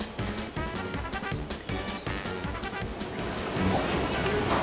うまっ！